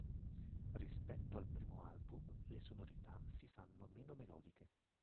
Rispetto al primo album le sonorità si fanno meno melodiche.